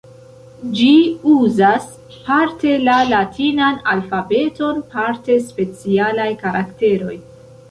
Ĝi uzas parte la latinan alfabeton, parte specialaj karakteroj.